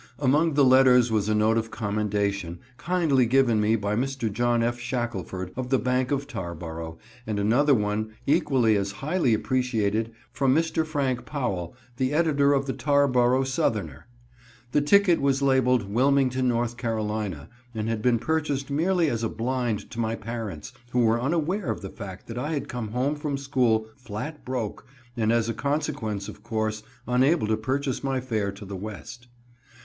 Among the letters was a note of commendation, kindly given me by Mr. John F. Shackelford, of the Bank of Tarboro, and another one, equally as highly appreciated, from Mr. Frank Powell, the editor of the Tarboro Southerner. The ticket was labeled Wilmington, N. C., and had been purchased merely as a blind to my parents, who were unaware of the fact that I had come home from school "flat broke," and as a consequence, of course, unable to purchase my fare to the West.